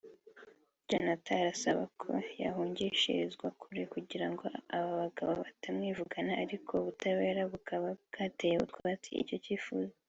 Jonathan arasaba ko yahungishirizwa kure kugira ngo aba bagabo batamwivugana ariko ubutabera bukaba bwateye utwatsi iki cyifuzo